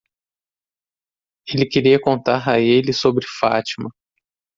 Ele queria contar a ele sobre Fátima.